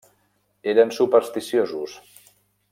Eren supersticiosos.